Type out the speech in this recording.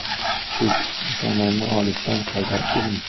Ko‘k samanni olisdan qayirib keldim.